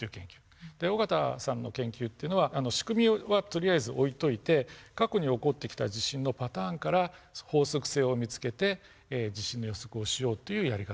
尾形さんの研究っていうのは仕組みはとりあえず置いといて過去に起こってきた地震のパターンから法則性を見つけて地震の予測をしようというやり方なんですね。